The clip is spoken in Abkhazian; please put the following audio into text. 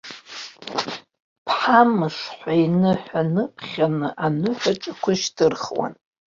Ԥҳамш ҳәа иныҳәа-ныԥхьаны аныҳәаҿақәа шьҭырхуан.